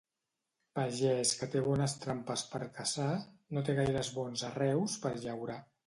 Pagès que té bones trampes per caçar no té gaires bons arreus per llaurar.